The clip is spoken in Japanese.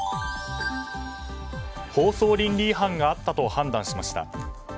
放送倫理違反があったと判断しました。